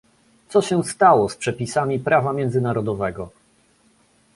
Co się stało z przepisami prawa międzynarodowego?